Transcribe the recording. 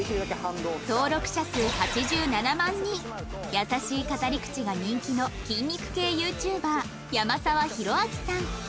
優しい語り口が人気の筋肉系 ＹｏｕＴｕｂｅｒ 山澤礼明さん